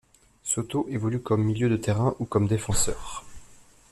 Soto évolue comme milieu de terrain ou comme défenseur.